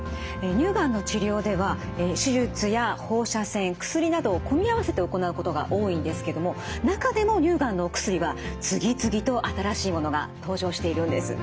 乳がんの治療では手術や放射線薬などを組み合わせて行うことが多いんですけども中でも乳がんのお薬は次々と新しいものが登場しているんです。